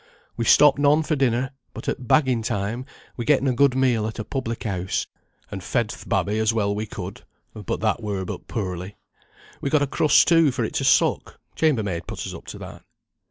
We stopped none for dinner, but at baggin time we getten a good meal at a public house, an' fed th' babby as well as we could, but that were but poorly. We got a crust too, for it to suck chambermaid put us up to that.